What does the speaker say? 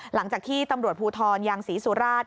หลังจากที่ตำรวจภูทรยางศรีสุราช